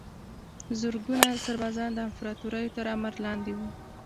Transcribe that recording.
زرګونه سربازان د امپراتوریو تر امر لاندې وو.